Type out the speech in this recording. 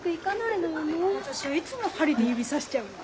私はいつも針で指刺しちゃうわ。